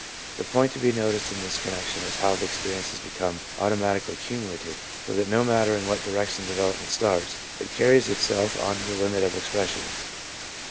The point to be noticed in this connection is how the' experiences become automatically cumulative > so that no matter in what direction the development starts, it carries itself on to the limit of expression.